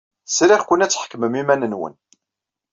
Sriɣ-ken ad tḥekmem iman-nwen.